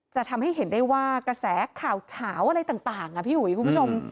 จะทำให้เห็นได้ว่ากระแสข่าวเฉาอะไรต่างพี่อุ๋ยคุณผู้ชม